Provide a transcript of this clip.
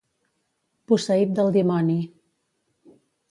Posseït del dimoni.